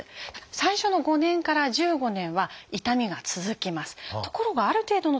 最初の５年から１５年は痛みが続きます。